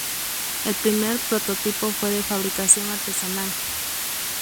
El primer prototipo fue de fabricación artesanal.